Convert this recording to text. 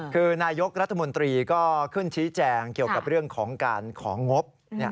คือนายกรัฐมนตรีก็ขึ้นชี้แจงเกี่ยวกับเรื่องของการของงบ